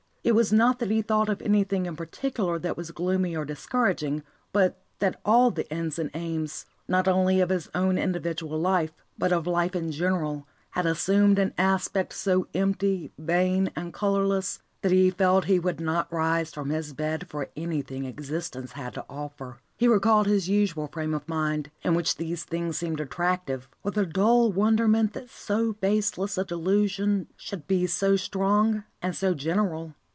It was not that he thought of anything in particular that was gloomy or discouraging, but that all the ends and aims, not only of his own individual life, but of life in general, had assumed an aspect so empty, vain, and colourless, that he felt he would not rise from his bed for anything existence had to offer. He recalled his usual frame of mind, in which these things seemed attractive, with a dull wonderment that so baseless a delusion should be so strong and so general.